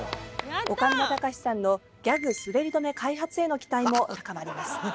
岡村隆史さんのギャグ滑り止め開発への期待も高まります。